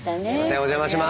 お邪魔します。